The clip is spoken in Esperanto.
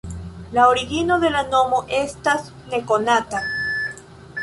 La origino de la nomo estas nekonata.